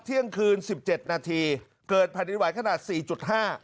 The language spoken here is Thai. เที่ยงคืน๑๗นาทีเกิดแผ่นดินไหวขนาด๔๕